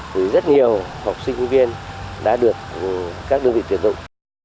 thì rất nhiều học sinh sinh viên đã được các đơn vị tuyển dụng